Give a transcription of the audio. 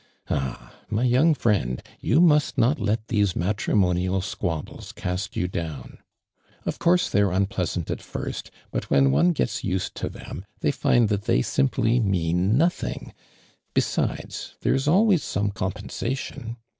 Ah, my young friend, you must not let these matrimonial squabbles cast you down. Of course they're unpleasant at first, but when one gets used to them, they find that they simply mean — nothing I Be sides, there is always somo compensation.